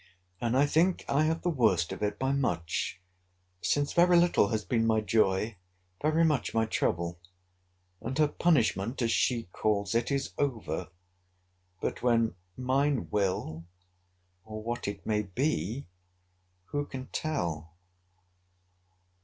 And I think I have the worst of it by much: since very little has been my joy—very much my trouble. And her punishment, as she calls it, is over: but when mine will, or what it may be, who can tell?